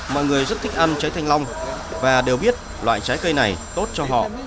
mọi người rất thích ăn trái thanh long và đều biết loại trái cây này tốt cho họ